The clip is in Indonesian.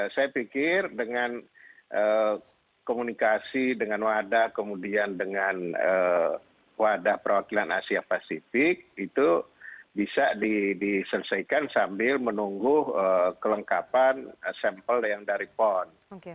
saya pikir dengan komunikasi dengan wadah kemudian dengan wadah perwakilan asia pasifik itu bisa diselesaikan sambil menunggu kelengkapan sampel yang dari pon